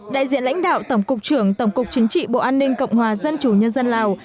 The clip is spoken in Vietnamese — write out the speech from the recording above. đại diện lãnh đạo tổng cục trưởng tổng cục chính trị bộ an ninh cộng hòa dân chủ nhân dân lào